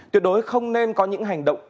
tuyệt đối không nên có những hành động